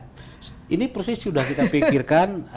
terlalu banyak ini persis sudah kita pikirkan